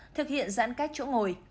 thực hiện giãn cách chỗ ngồi